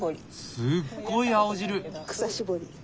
すっごい青汁！